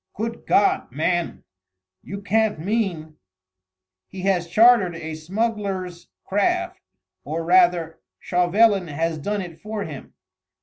"Good God, man ... you can't mean ...?" "He has chartered a smuggler's craft or rather Chauvelin has done it for him.